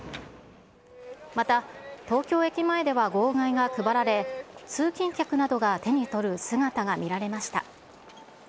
また、東京駅前では号外が配られ、通勤客などが手に取る姿が見られました。